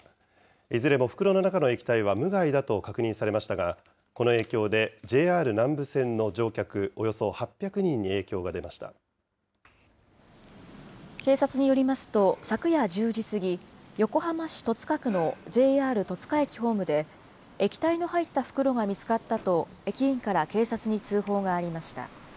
いずれも袋の中の液体は無害だと確認されましたが、この影響でＪＲ南武線の乗客およそ８００人に警察によりますと、昨夜１０時過ぎ、横浜市戸塚区のＪＲ戸塚駅ホームで、液体の入った袋が見つかったと、駅員から警察に通報がありました。